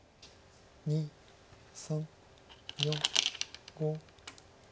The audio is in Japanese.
２３４５。